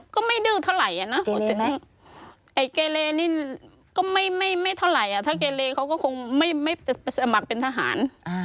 ก็ไม่ดื้อเท่าไหร่อ่ะนะไอ้เกเลนี่ก็ไม่เท่าไหร่ถ้าเกเลเขาก็คงไม่สมัครเป็นทหาร